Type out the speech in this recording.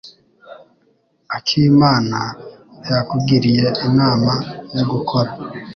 akimana yakugiriye inama yo gukora?